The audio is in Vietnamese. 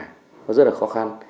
nó rất là khó khăn